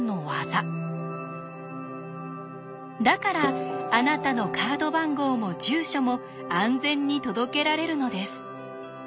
だからあなたのカード番号も住所も安全に届けられるのです。